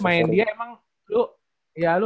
main dia emang lu